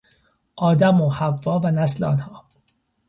آدم و حوا و نسل آنها